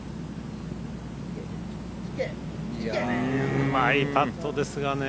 うまいパットですがね。